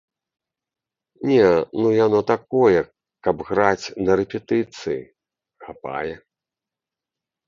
Не, ну яно такое, каб граць на рэпетыцыі, хапае.